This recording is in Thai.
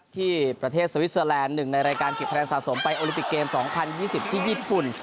ที่ประเทศสวิสเตอร์แลนด์๑ในรายการเก็บคะแนนสะสมไปโอลิปิกเกม๒๐๒๐ที่ญี่ปุ่น